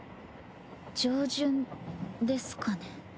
上旬ですかね。